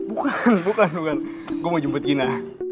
bukan bukan gue mau jemput gina